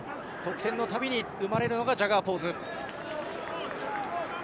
得点の度に生まれるのがジャガーポーズ。